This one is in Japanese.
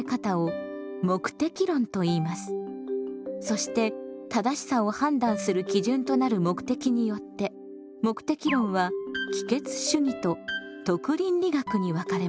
そして「正しさ」を判断する基準となる目的によって目的論は帰結主義と徳倫理学に分かれます。